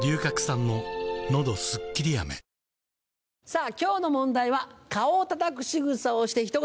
さぁ今日の問題は「蚊をたたくしぐさをしてひと言」。